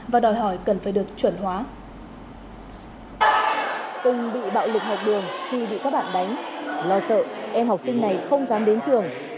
và các bạn đánh lo sợ em học sinh này không dám đến trường